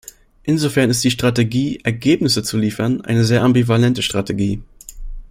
Insofern ist die Strategie, Ergebnisse zu liefern, eine sehr ambivalente Strategie.